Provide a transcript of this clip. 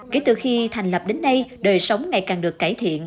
kể từ khi thành lập đến nay đời sống ngày càng được cải thiện